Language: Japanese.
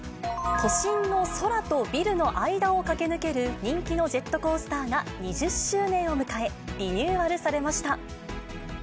都心の空とビルの間を駆け抜ける人気のジェットコースターが２０周年を迎え、リニューアルされました。